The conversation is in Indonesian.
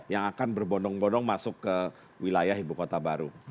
yang akan berbondong bondong masuk ke wilayah ibu kota baru